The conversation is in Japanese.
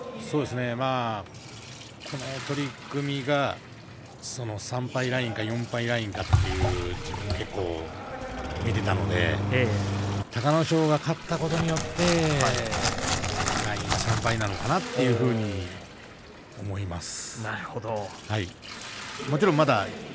この取組が３敗ラインか４敗ラインかと自分が結構見ていたので隆の勝が勝ったことによってラインは３敗かなと思います。